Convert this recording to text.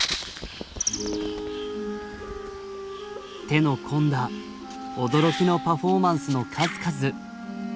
手の込んだ驚きのパフォーマンスの数々。